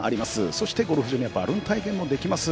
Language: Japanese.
そして、ゴルフ場ではバルーン体験もできます。